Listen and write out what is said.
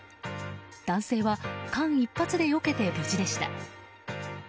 男性は間一髪でよけて無事でした。